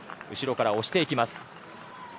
後ろから押していきます。